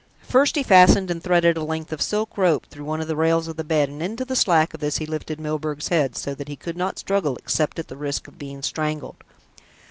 First he fastened and threaded a length of silk rope through one of the rails of the bed and into the slack of this he lifted Milburgh's head, so that he could not struggle except at the risk of being strangled.